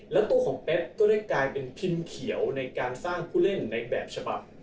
แล้วตัวของเป๊กก็ได้กลายเป็นพิมพ์เขียวในการสร้างผู้เล่นในแบบฉบับ